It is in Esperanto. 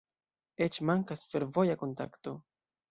Eĉ mankas fervoja kontakto.